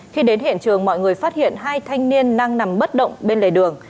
khi đến hiện trường mọi người phát hiện hai thanh niên đang nằm bất động bên lề đường